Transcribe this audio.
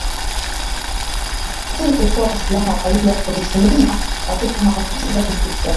ili kupora silaha kwa ajili ya kuzitumia katika harakati za kivita